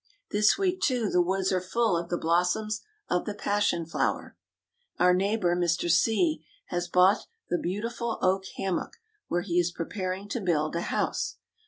This week, too, the woods are full of the blossoms of the passion flower. Our neighbor Mr. C has bought the beautiful oak hammock, where he is preparing to build a house.